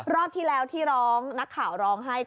รอบที่แล้วที่ร้องนักข่าวร้องให้